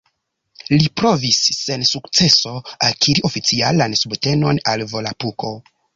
Li provis, sen sukceso, akiri oficialan subtenon al Volapuko.